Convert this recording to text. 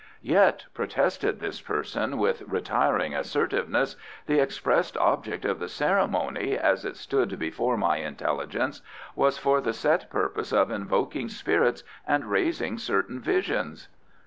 "Yet," protested this person with retiring assertiveness, "the expressed object of the ceremony, as it stood before my intelligence, was for the set purpose of invoking spirits and raising certain visions."